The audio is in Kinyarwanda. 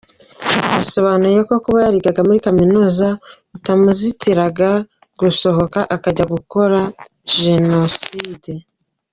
Yasobanuye ko kuba yarigaga muri Kaminuza bitamuzitiraga gusohoka akajya gukora jenoside.